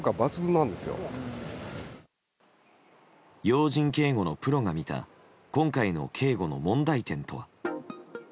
要人警護のプロが見た今回の警護の問題点とは。